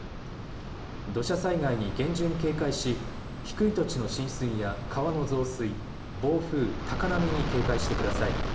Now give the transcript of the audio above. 土砂災害に厳重に警戒し低い土地の浸水や川の増水、暴風、高波に警戒してください。